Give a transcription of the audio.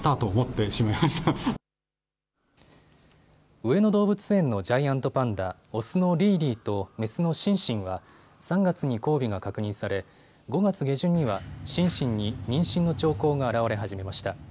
上野動物園のジャイアントパンダ、オスのリーリーとメスのシンシンは３月に交尾が確認され５月下旬にはシンシンに妊娠の兆候が現れ始めました。